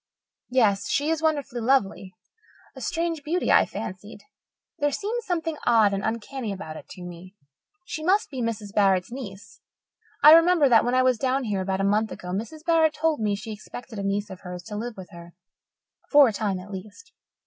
Yes, she is wonderfully lovely a strange beauty, I fancied. There seemed something odd and uncanny about it to me. She must be Mrs. Barrett's niece. I remember that when I was down here about a month ago Mrs. Barrett told me she expected a niece of hers to live with her for a time at least.